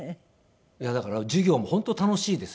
だから授業も本当楽しいですよ。